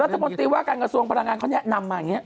รัฐมนตรีว่าการกระทรวงพลังงานเขาแนะนำมาอย่างนี้